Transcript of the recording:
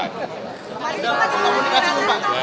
bagaimana pas di komunikasi sama pak mentang